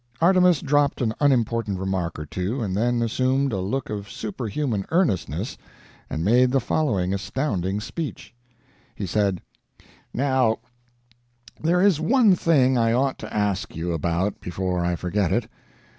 Artemus dropped an unimportant remark or two, and then assumed a look of superhuman earnestness, and made the following astounding speech. He said: "Now there is one thing I ought to ask you about before I forget it.